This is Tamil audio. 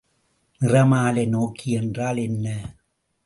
நிறமாலை நோக்கி என்றால் என்ன?